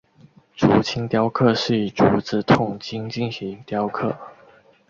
竹青雕刻是以竹子筒茎进行雕刻。